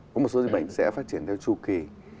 có một số dịch bệnh sẽ phát triển theo chu kỳ